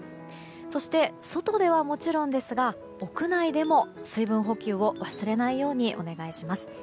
そして、外ではもちろんですが屋内でも水分補給を忘れないようにお願いします。